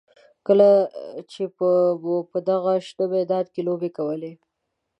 کله چې به مو په همدغه شنه میدان کې لوبې کولې.